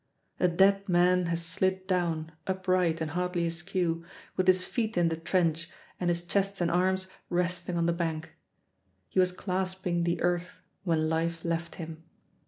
A dead man has slid down, upright and hardly askew, with his feet in the trench and his chest and arms resting on the bank. He was clasping the earth when life left him.